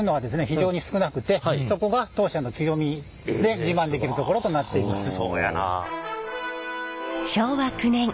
非常に少なくてそこが当社の強みで自慢できるところとなっています。